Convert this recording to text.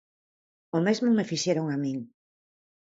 O mesmo me fixeron a min.